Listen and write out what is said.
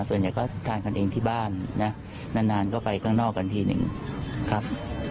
ส่วนใหญ่ก็ทานกันเองที่บ้านนะนานก็ไปข้างนอกกันทีหนึ่งครับ